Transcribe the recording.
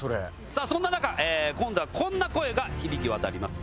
さあそんな中今度はこんな声が響き渡ります。